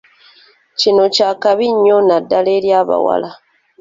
Kino kya kabi nnyo naddala eri abawala.